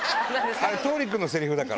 あれ、桃李君のせりふだから。